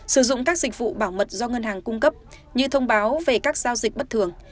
sử dụng các dịch vụ bảo mật do ngân hàng cung cấp như thông báo về các giao dịch bất thường